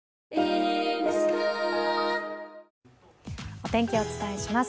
お天気、お伝えします。